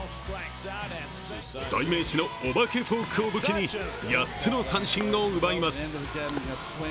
代名詞のお化けフォークを武器に８つの三振を奪います。